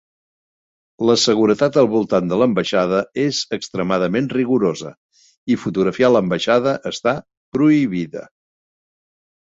La seguretat al voltant de l'ambaixada és extremadament rigorosa i fotografiar l'ambaixada està prohibida.